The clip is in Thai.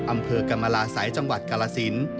อำเภอกรรมลาศัยจังหวัดกาลสิน